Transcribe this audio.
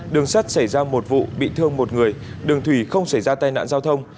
đường sắt xảy ra một vụ bị thương một người đường thủy không xảy ra tai nạn giao thông